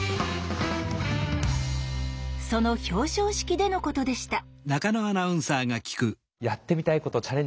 その表彰式でのことでした。